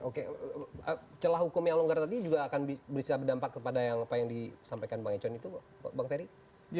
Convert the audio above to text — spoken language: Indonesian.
oke celah hukum yang longgar tadi juga akan bisa berdampak kepada yang apa yang disampaikan bang econ itu bang ferry